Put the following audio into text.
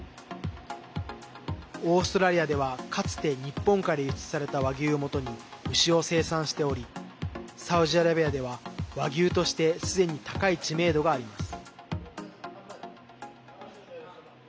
オーストラリアでは、かつて日本から輸出された和牛をもとに牛を生産しておりサウジアラビアではＷＡＧＹＵとしてすでに高い知名度があります。